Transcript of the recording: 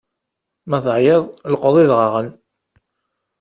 Ma teεyiḍ lqeḍ idɣaɣen!